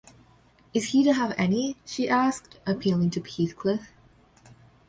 ‘Is he to have any?’ she asked, appealing to Heathcliff.